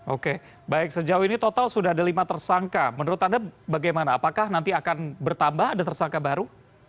oke baik sejauh ini total sudah ada lima tersangka menurut anda bagaimana apakah nanti akan bertambah ada tersangka baru